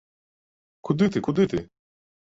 Куды ты, куды ты?